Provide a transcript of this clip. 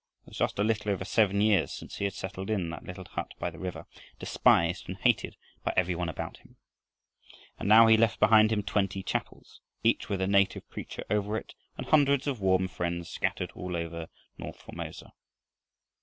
It was just a little over seven years since he had settled in that little hut by the river, despised and hated by every one about him; and now he left behind him twenty chapels, each with a native preacher over it, and hundreds of warm friends scattered over all north Formosa.